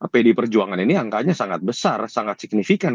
pdi perjuangan ini angkanya sangat besar sangat signifikan